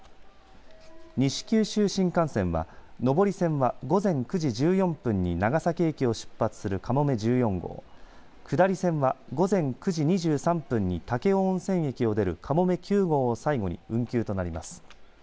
西九州新幹線は上り線は午前９時１４分に長崎駅を出発するかもめ１４号下り線は午前９時２３分に武雄温泉駅を出るかもめ９号を最後に運休となります。